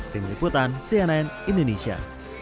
tim liputan cnn indonesia